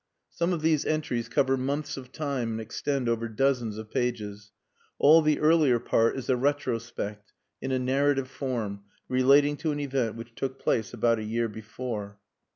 Some of these entries cover months of time and extend over dozens of pages. All the earlier part is a retrospect, in a narrative form, relating to an event which took place about a year before.